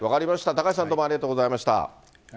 高橋さん、ありがとうございました。